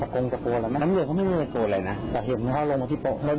มันเค้าไม่ดรอยโกดอะไรนะเพลาะเห็นเขาก็ลงมาที่พกโดด